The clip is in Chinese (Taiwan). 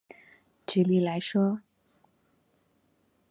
舉例來說